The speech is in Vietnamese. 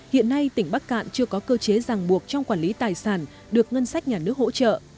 hiện nay tỉnh bắc cạn chưa có cơ chế ràng buộc trong quản lý tài sản được ngân sách nhà nước hỗ trợ